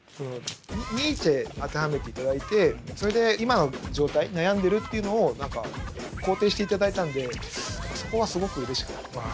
ニーチェに当てはめていただいてそれで今の状態悩んでるっていうのを何か肯定していただいたんでそこはすごくうれしかったですね。